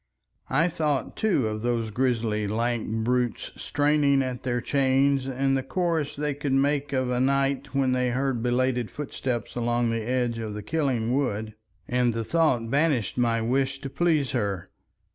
I thought too of those grisly lank brutes straining at their chains and the chorus they could make of a night when they heard belated footsteps along the edge of the Killing Wood, and the thought banished my wish to please her.